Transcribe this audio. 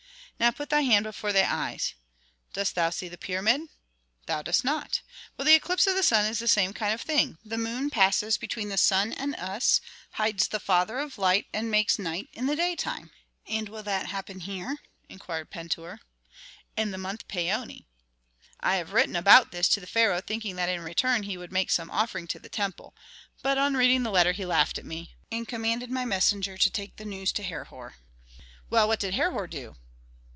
"Now put thy hand before thy eyes. Dost thou see the pyramid? Thou dost not. Well, the eclipse of the sun is the same kind of thing; the moon passes between the sun and us, hides the father of light and makes night in the daytime." "And will that happen here?" inquired Pentuer. "In the month Paoni. I have written about this to the pharaoh, thinking that in return he would make some offering to the temple. But on reading the letter he laughed at me, and commanded my messenger to take the news to Herhor." "Well, what did Herhor do?"